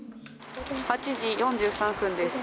８時４３分です。